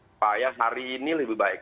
supaya hari ini lebih baik